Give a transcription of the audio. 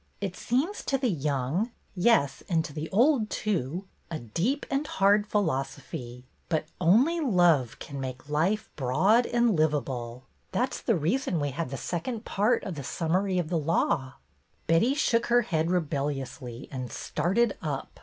It seems to the young — yes, and to the old, too — a deep and hard philosophy, but only love can make life broad and livable. That 's the reason we have the second part of the Summary of the Law.'^ BETTY'S GOLDEN MINUTE 65 Betty shook her head rebelliously and started up.